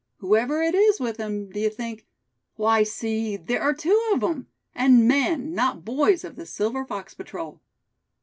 Whoever is it with him, d'ye think; why, see, there are two of 'em, and men, not boys of the Silver Fox Patrol?"